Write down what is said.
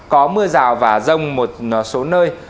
có mưa rào và rông một số nơi